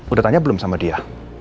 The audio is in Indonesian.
udah tanya belum sama dia